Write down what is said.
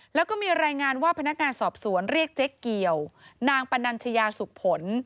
แล้วก็มีรายงานว่าพนักงานสอบสวนเรียกเจ๊เกี่ยวนางปนัญชยาสุขผล